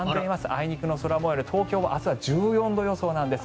あいにくの空模様で、東京は明日は１４度予想なんです。